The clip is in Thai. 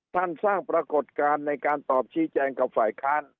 สร้างปรากฏการณ์ในการตอบชี้แจงกับฝ่ายค้าน